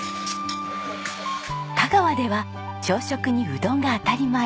香川では朝食にうどんが当たり前。